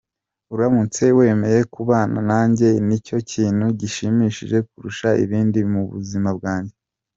Uramutse wemeye kubana nanjye nicyo kintu gishimishije kurusha ibindi mu buzima bwanjye.